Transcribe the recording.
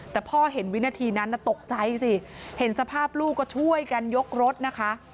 แต่พ่อเห็นวินาทีนั้นตกใจสิเห็นสภาพลูกก็ช่วยกันยกรถนะคะ